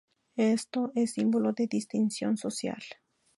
Esto es símbolo de distinción social.